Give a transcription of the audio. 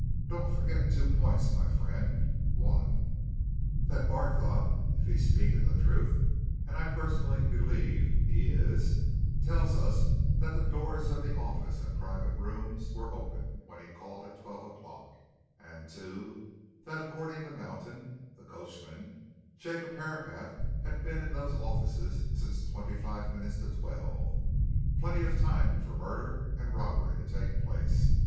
Don't forget two points, my friend one, that Barthorpe (if he's speaking the truth, and I, personally, believe he is) tells us that the doors of the offices and the private room were open when he called at twelve o'clock; and, too, that, according to Mountain, the coachman, Jacob Herapath had been in those offices since twenty five minutes to twelve plenty of time for murder and robbery to take place.